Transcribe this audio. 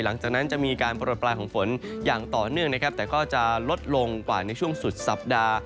หลังจากนั้นจะมีการโปรดปลายของฝนอย่างต่อเนื่องนะครับแต่ก็จะลดลงกว่าในช่วงสุดสัปดาห์